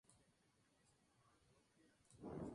Hell fue reemplazado por Billy Rath.